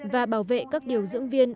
và bảo vệ các điều dưỡng viên